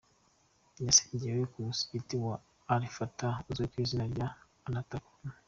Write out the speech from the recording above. Yasengewe ku musigiti wa Al fat’ha uzwi ku izina rya Onatracom